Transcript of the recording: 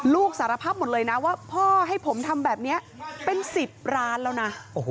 สารภาพหมดเลยนะว่าพ่อให้ผมทำแบบนี้เป็น๑๐ล้านแล้วนะ